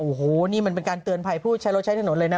โอ้โหนี่มันเป็นการเตือนภัยผู้ใช้รถใช้ถนนเลยนะ